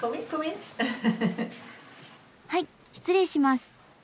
はい失礼します。